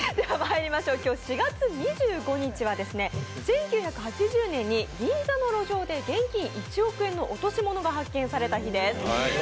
今日４月２５日は１９８０年に銀座の路上で現金１億円の落とし物が発見された日です。